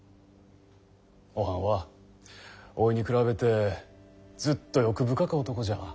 おはんはおいに比べてずっと欲深か男じゃ。